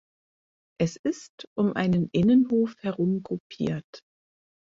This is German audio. Es ist um einen Innenhof herum gruppiert.